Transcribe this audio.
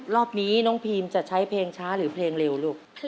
รอบนี้น้องพีมจะใช้เพลงช้าหรือเพลงเร็วลูก